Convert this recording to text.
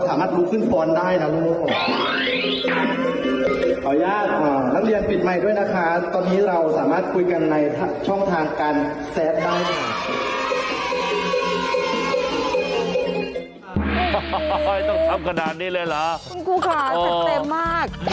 ต้องทำกระดานนี่เลยเหรอพี่โอ้ดคุณครูขาแท้เต็มมาก